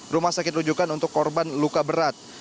rumah sakit rujukan untuk korban luka berat